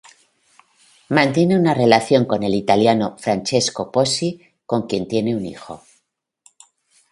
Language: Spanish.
Mantiene una relación con el italiano Francesco Pozzi con quien tiene un hijo.